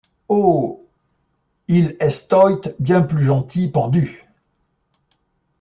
Oh! il estoyt bien plus gentil, pendu.